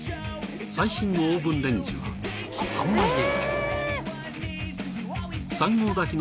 最新のオーブンレンジは３万円台。